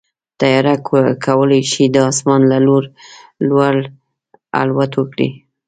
طیاره کولی شي د اسمان له لوړو لوړ الوت وکړي.